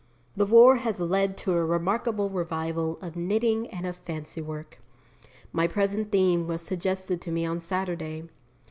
The war has led to a remarkable revival of knitting and of fancy work. My present theme was suggested to me on Saturday.